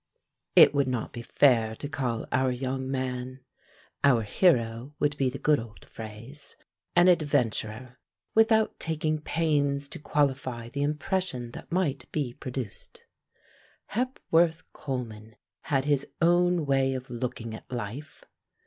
It would not be fair to call our young man ("our hero" would be the good old phrase) an adventurer, without taking pains to qualify the impression that might be produced. Hepworth Coleman had his own way of looking at life.